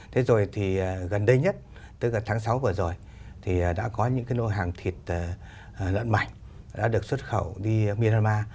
thế rồi thì gần đây nhất tức là tháng sáu vừa rồi thì đã có những cái lô hàng thịt lợn mảnh đã được xuất khẩu đi myanmar